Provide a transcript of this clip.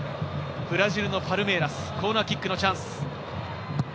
ブラジルのパルメイラス、コーナーキックのチャンス。